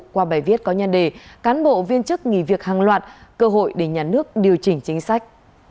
qua bài viết có nhân đề cán bộ viên chức nghỉ việc hàng loạt cơ hội để nhà nước điều chỉnh chính sách